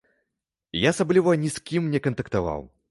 Я асабліва ні з кім не кантактаваў.